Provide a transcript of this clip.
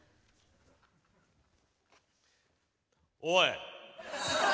おい！